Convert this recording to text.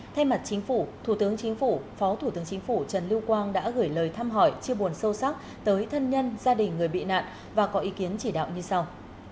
thay mặt chính phủ thủ tướng chính phủ phó thủ tướng chính phủ trần lưu quang đã gửi lời thăm hỏi chia buồn sâu sắc tới thân nhân gia đình người bị nạn và có ý kiến chỉ đạo như sau